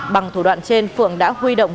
bằng thủ đoạn trên phượng đã huy động